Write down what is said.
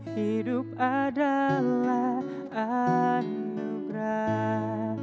hidup adalah anugerah